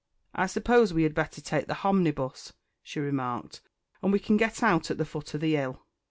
"I suppose we had better take the _h_omnibus," she remarked, "and we can get out at the foot of the 'ill."